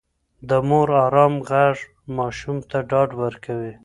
د مور ارام غږ ماشوم ته ډاډ ورکوي.